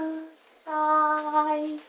はい。